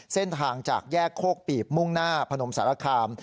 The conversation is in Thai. เส้นทางจากแยกโคกปีบมุ่งหน้าพนมสารคาม